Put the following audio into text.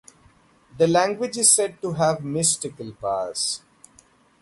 The language is said to have mystical powers.